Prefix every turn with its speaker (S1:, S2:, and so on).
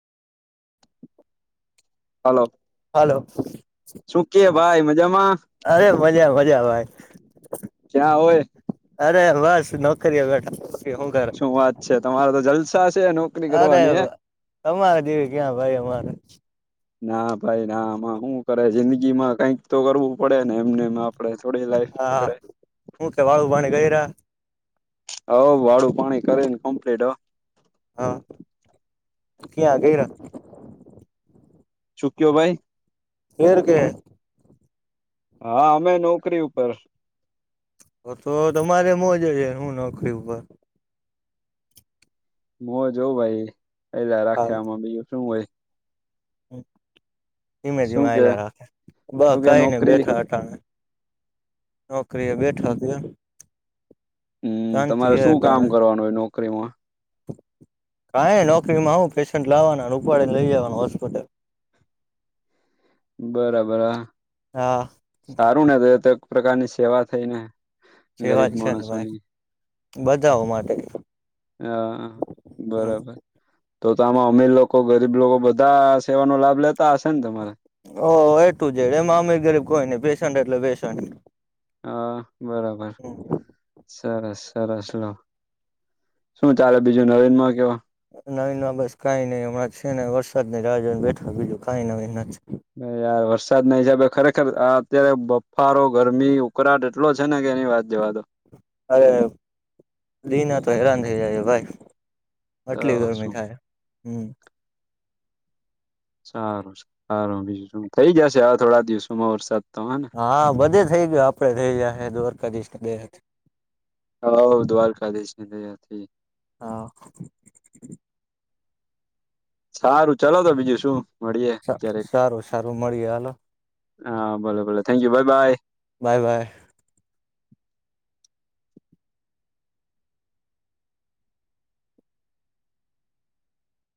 S1: હાલો.
S2: Hello
S1: મજામાં
S2: અરે મજા મજા ભાઈ.
S1: ક્યાં હોય
S2: અરે બસ નોકરીઓ બેઠા હું કરે
S1: શું વાત છે તમારે તો જલસા છે નોકરી કરવાની એ
S2: અમારે જેવી ક્યાં ભાઈ અમારે
S1: ના ભાઈ ના આમાં શું કરે જિંદગી માં કઈક તો કરવું પડે ને એમને. આપ થોડી લાઈફ
S2: હા
S1: નીકળે.
S2: હું કે વાળું પાણી ગયરા
S1: હ વાડું પાણી કરેને કમ્પ્લીટ હ.
S2: હા ક્યા આ ગયરા.
S1: ચૂક્યો ભાઈ
S2: એર કે.
S1: હા અમે નોકરી ઉપર.
S2: હ તો તમારે મોજે છે હું નોકરી ઉપર
S1: હ જોઉં ભાઈ પલા
S2: હા
S1: રાખ્યામાં બીજું શું હોય
S2: ધીમે
S1: શું
S2: ધીમે
S1: કે
S2: આલા રાખે બ
S1: શું કે
S2: કાયને
S1: નોકરી
S2: બેઠા નોકરી બેઠા કે
S1: હમ
S2: શાંતિ
S1: તમારે
S2: હે
S1: શું કામ
S2: અટાણે
S1: કરવાનું હોય નોકરીમાં
S2: કાં નોકરીમાં હું પેશન્ટ લાવવાના અને ઉપાડીેને લઈ જવાનું હોસ્પિટલ
S1: બરાબરા
S2: હા
S1: સારું ને તો તો એક પ્રકારની સેવા થઈ ને
S2: સેવા
S1: ગરીબ
S2: જ છે ને ભાઈ
S1: માણસોની
S2: બધાઓ માટે
S1: હા
S2: હમ
S1: બરોબર તો તો આમાં અમીર લોકો ગરીબ લોકો બધા સેવાનો લાભ લેતા હશે ને તમારે
S2: ઓ એટું જ એ અમ ગરીબ કોઈ નઈ પેશન્ટ એટલે પેશન્ટ
S1: હા બરોબર સરસ સરસ ચલો શું ચાલે બીજું નવીન માં કેવા
S2: નવી ન બસ કઈ નઈ હમણાં છે ને વરસાદ ન રાજહને બેઠા બીજું કઈ નવી નથી
S1: યાર વરસાદ ના હિસાબે ખરેખર આ અત્યારે બફારો ગરમી ઉકળાટ કેટલો છે ને કે એની વાત જવા દો
S2: અરે લી ના તો હેરાન થઇ જાય ભાઈ
S1: તો
S2: આટલી ગરમી
S1: શું
S2: ખાય હમ
S1: સારું સારું બીજું શું થઈ ગયા છે હ થોડા દિવસોમાં વરસાદ તો હ ને
S2: હા બધે થઈ ગયયો આપડે થઈ જયા હ દ્વારકાધીશ બે
S1: હ દ્વારકા દ છે તથી
S2: હા
S1: સારું ચલો તો બીજું શું મળીએ ક્યારેક
S2: સારું સારું મળીએ હાલો
S1: હા ભલે ભલે thank you bye bye
S2: bye by